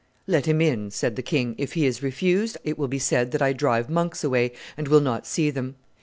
'Let him in,' said the king: 'if he is refused, it will be said that I drive monks away and will not see them.